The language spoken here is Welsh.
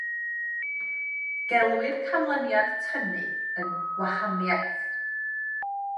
Gelwir canlyniad tynnu yn wahaniaeth.